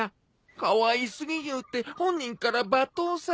かわいすぎいうて本人から罵倒されたわ。